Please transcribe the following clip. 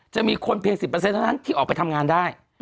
จะมีคนเพียง๑๐เท่านั้นที่ออกไปทำงานได้